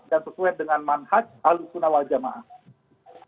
dan sesuai dengan manhaj al lisunawal jamaah